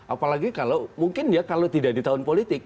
apalagi kalau mungkin ya kalau tidak di tahun politik